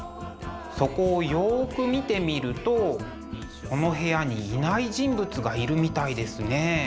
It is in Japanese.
そこをよく見てみるとこの部屋にいない人物がいるみたいですね。